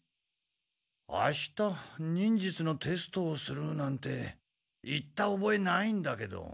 あした忍術のテストをするなんて言ったおぼえないんだけど。